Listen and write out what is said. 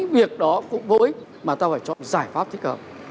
một vỗi mà ta phải chọn giải pháp thích hợp